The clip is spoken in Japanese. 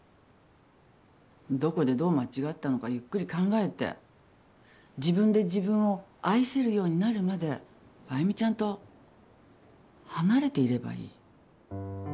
どこでどう間違ったのかゆっくり考えて自分で自分を愛せるようになるまで愛魅ちゃんと離れていればいい。